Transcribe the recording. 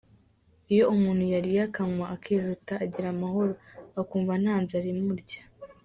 Iyo umuntu yariye, akanywa akijuta ‘agira amahoro’ akumva nta nzara imurya.